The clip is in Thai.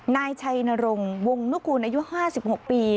นายชัยนรงค์วงนุกูลอายุ๕๖ปี